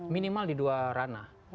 minimal di dua ranah